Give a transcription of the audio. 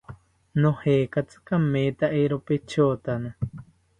Nojekatzi kametha, eero petkotana